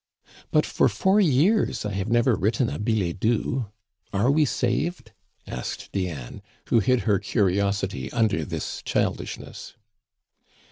"But for four years I have never written a billet doux. Are we saved?" asked Diane, who hid her curiosity under this childishness.